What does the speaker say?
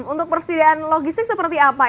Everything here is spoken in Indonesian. untuk persediaan logistik seperti apa